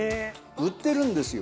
売ってるんですよ